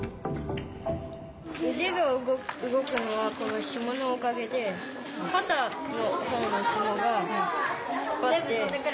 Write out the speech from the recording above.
うでが動くのはこのひものおかげでかたのほうのひもがこうやってうでとかが動く。